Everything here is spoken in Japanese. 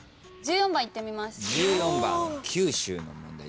１４番いってみます。